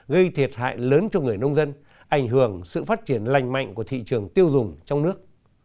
gây thiệt hại lớn cho người nông dân ảnh hưởng sự phát triển lành mạnh của thị trường tiêu dùng trong nước